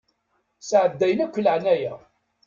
Sɛeddayen akk laɛnaya.